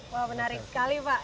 wah menarik sekali pak